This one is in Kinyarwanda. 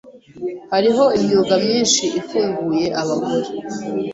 Hariho imyuga myinshi ifunguye abagore.